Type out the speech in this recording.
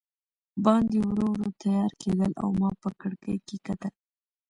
باندې ورو ورو تیاره کېدل او ما په کړکۍ کې کتل.